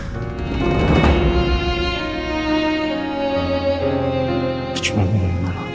bicara sama ibu ibu